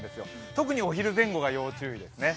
特にお昼前後が要注意です。